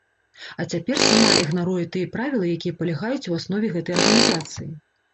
А цяпер сама ігнаруе тыя правілы, якія палягаюць у аснове гэтай арганізацыі.